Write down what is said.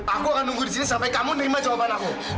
aku akan nunggu disini sampai kamu nerima jawaban aku